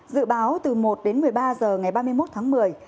dự báo từ một đến một mươi ba h ngày ba mươi một tháng một mươi